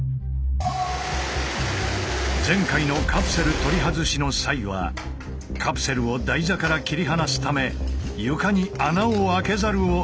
前回のカプセル取り外しの際はカプセルを台座から切り離すため床に穴を開けざるをえなかった。